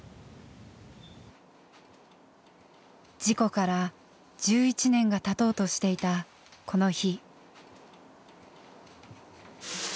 事故から１１年がたとうとしていたこの日。